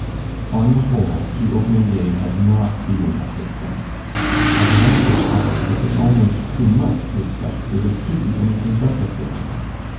On the whole, the opening day had not been a success. As a matter of fact, it was almost too much to expect that it should be anything but a failure.